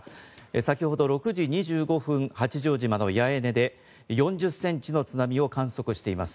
先ほど６時２５分八丈島の八重根で４０センチの津波を観測しています。